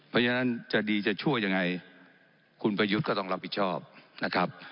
เพราะฉะนั้นจะดีจะชั่วยังไงคุณประยุทธ์ก็ต้องรับผิดชอบนะครับ